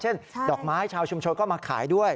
ดอกไม้ชาวชุมชนก็มาขายด้วย